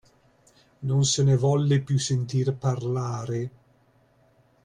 Non se ne volle più sentir parlare… .